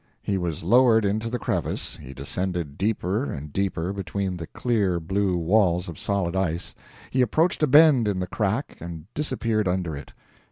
He was lowered into the crevice, he descended deeper and deeper between the clear blue walls of solid ice, he approached a bend in the crack and disappeared under it.